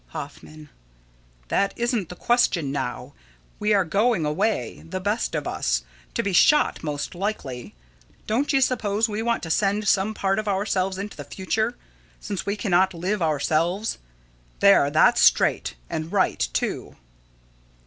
Hoffman: That isn't the question now. We are going away the best of us to be shot, most likely. Don't you suppose we want to send some part of ourselves into the future, since we can't live ourselves? There, that's straight; and right, too.